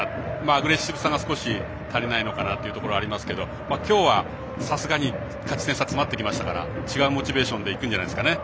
アグレッシブさが少し足りないのかなというところがありますけど今日は、さすがに勝ち点差詰まってきましたから違うモチベーションでいくんじゃないですかね。